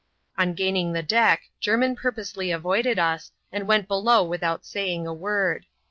On gaining the deck, Jermin purposely avoided us, and went below without saying a word.